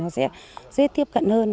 rất tiếp cận hơn